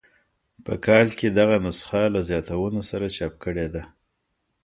په کال کې دغه نسخه له زیاتونو سره چاپ کړې ده.